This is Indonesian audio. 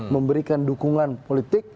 memberikan dukungan politik